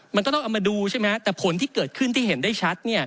มันก็ต้องเอามาดูใช่ไหมแต่ผลที่เกิดขึ้นที่เห็นได้ชัด